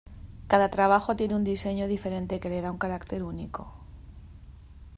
Cada trabajo tiene un diseño diferente que le da un carácter único.